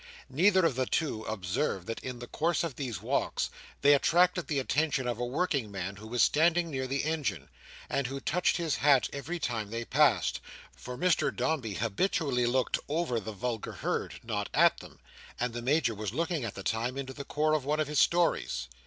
Neither of the two observed that in the course of these walks, they attracted the attention of a working man who was standing near the engine, and who touched his hat every time they passed; for Mr Dombey habitually looked over the vulgar herd, not at them; and the Major was looking, at the time, into the core of one of his stories.